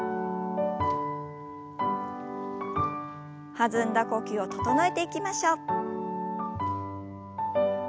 弾んだ呼吸を整えていきましょう。